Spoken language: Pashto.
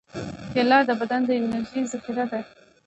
کېله د بدن د انرژۍ ذخیره ده.